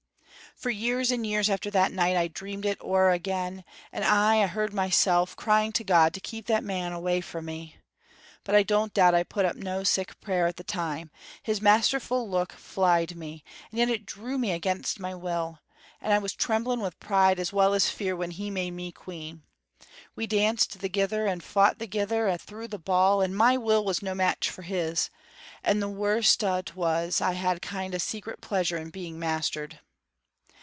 "For years and years after that night I dreamed it ower again, and aye I heard mysel' crying to God to keep that man awa' frae me. But I doubt I put up no sic prayer at the time; his masterful look fleid me, and yet it drew me against my will, and I was trembling wi' pride as well as fear when he made me queen. We danced thegither and fought thegither a' through the ball, and my will was no match for his, and the worst o't was I had a kind o' secret pleasure in being mastered.